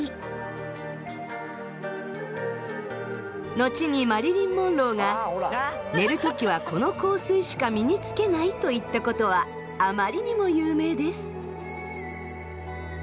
後にマリリン・モンローが「寝る時はこの香水しか身につけない」と言ったことはあまりにも有名です。